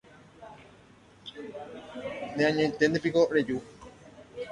Neañóntepiko reju